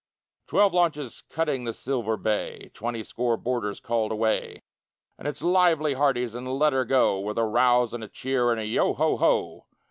Twelve launches cutting the silver bay; Twenty score boarders called away. And it's "Lively, hearties, and let her go!" With a rouse and a cheer and a "Yeo, ho, ho!"